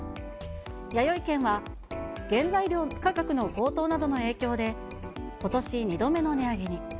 やよい軒は、原材料価格の高騰などの影響で、ことし２度目の値上げに。